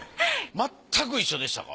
まったく一緒でしたか？